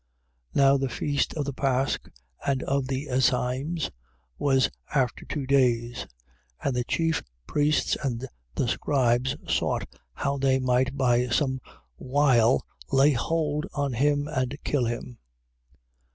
14:1. Now the feast of the pasch and of the Azymes was after two days: and the chief priests and the scribes sought how they might by some wile lay hold on him and kill him.